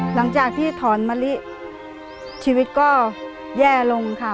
หลังจากที่ถอนมะลิชีวิตก็แย่ลงค่ะ